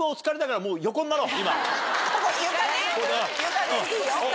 床でいいよ。